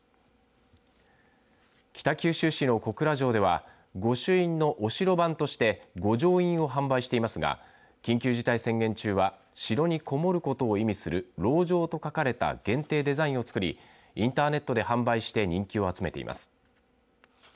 北九州市の小倉城では御朱印のお城版として御城印を販売していますが緊急事態宣言中は城にこもることを意味する籠城と書かれた限定デザインをつくりインターネットで販売して人気を集めています。